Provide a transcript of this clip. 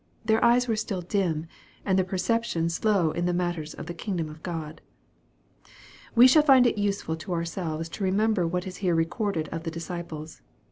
Their eyes were still dim, and their perception slow in the matters of the kingdom of God. We shall find it useful to ourselves to remember what is here recorded of the disciples.